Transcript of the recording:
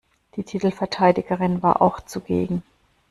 Die Titelverteidigerin war auch zugegen.